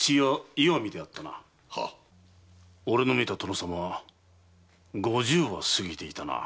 俺の見た殿様は五十は過ぎていたな。